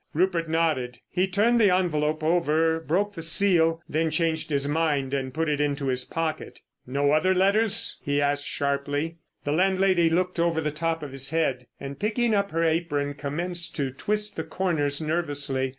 Rupert nodded. He turned the envelope over, broke the seal, then changed his mind, and put it into his pocket. "No other letters?" he asked sharply. The landlady looked over the top of his head, and picking up her apron commenced to twist the corners nervously.